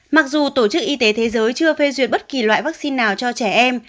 mặc dù tổ chức y tế thế giới chưa phê duyệt bất kỳ loại vaccine nào cho trẻ em